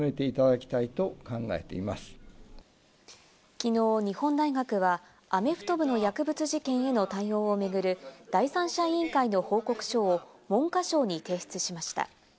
きのう、日本大学はアメフト部の薬物事件への対応を巡る第三者委員会の報告書を文科省に提出しました。